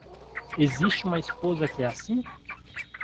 Existe uma esposa que é assim?